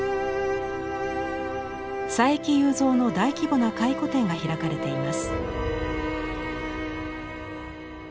佐伯祐三の大規模な回顧展が開かれています。